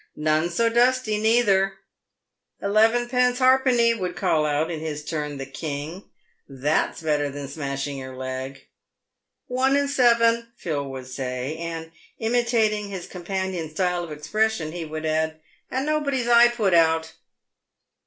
" None so dusty, neither !" "Elevenpence harpenny," would call out in his turn the King; " that* 8 better than smashing your leg." " One and seven," Phil would say ; and, imitating his companions' style of expression, he would add, " and nobody's eye put out."